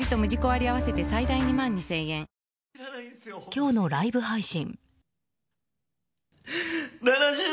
今日のライブ配信。